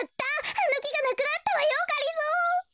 あのきがなくなったわよがりぞー。